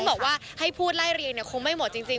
บอกว่าให้พูดไล่เรียงคงไม่หมดจริง